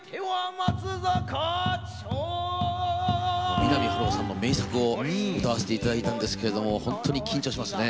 三波春夫さんの名作を歌わせていただきたいんですけれども本当に緊張しますね